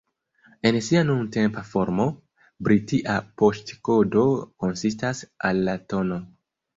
En sia nuntempa formo, britia poŝtkodo konsistas el la tn.